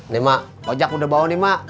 nih mak pajak udah bawa nih mak